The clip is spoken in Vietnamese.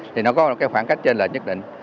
thì nó có một cái khoảng cách trên lệch nhất định